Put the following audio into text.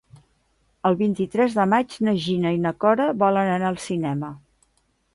El vint-i-tres de maig na Gina i na Cora volen anar al cinema.